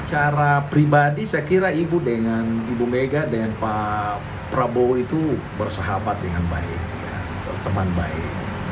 secara pribadi saya kira ibu dengan ibu mega dengan pak prabowo itu bersahabat dengan baik berteman baik